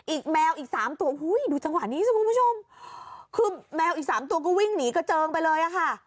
อีกแมวอีก๓ตัวดูจังหวะนี้คุณผู้ชมคือแมวอีก๓ตัวก็วิ่งหนีกระเจิงไปเลยค่ะ